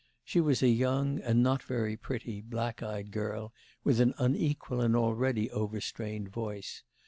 She was a young, and not very pretty, black eyed girl with an unequal and already overstrained voice.